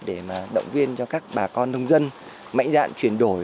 để mà động viên cho các bà con nông dân mạnh dạn chuyển đổi